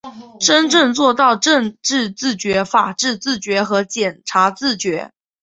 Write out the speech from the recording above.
真正做到政治自觉、法治自觉和检察自觉